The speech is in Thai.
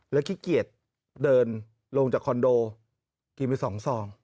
ขี้เกียจเดินลงจากคอนโดกินไป๒ซอง